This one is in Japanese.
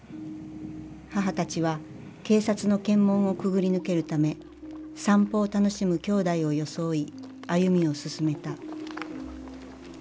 母たちは警察の検問をくぐり抜けるため散歩を楽しむ兄弟を装い歩みを進めた。